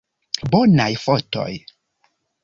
Bonaj fotoj!